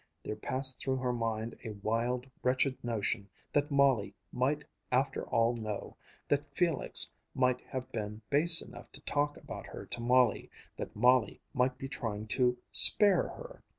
There passed through her mind a wild, wretched notion that Molly might after all know that Felix might have been base enough to talk about her to Molly, that Molly might be trying to "spare her."